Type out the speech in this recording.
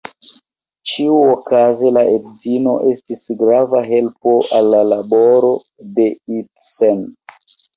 Ĉiuokaze la edzino estis grava helpo al la laboro de Ibsen.